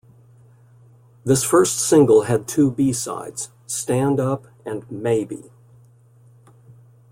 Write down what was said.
This first single had two b-sides: "Stand Up" and "Maybe".